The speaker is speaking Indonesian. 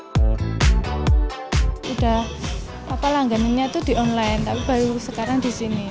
sudah pelangganannya di online tapi baru sekarang di sini